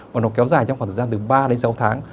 mà nó kéo dài trong khoảng thời gian từ ba đến sáu tháng